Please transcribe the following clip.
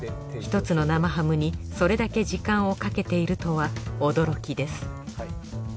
１つの生ハムにそれだけ時間をかけているとは驚きです。